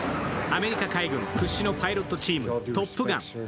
アメリカ海軍屈指のパイロットチーム、トップガン。